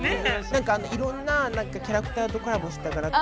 何かあのいろんなキャラクターとコラボした柄。